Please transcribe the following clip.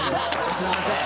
すいません。